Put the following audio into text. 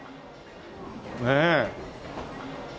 ねえ。